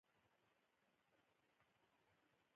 په پښتو کښي لنډۍ له هایکو سره تشبیه کېږي.